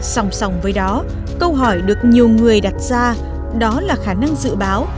sòng sòng với đó câu hỏi được nhiều người đặt ra đó là khả năng dự báo